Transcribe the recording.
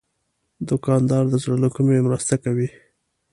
دوکاندار د زړه له کومي مرسته کوي.